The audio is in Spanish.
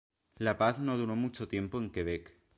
La paz no duró mucho tiempo en Quebec.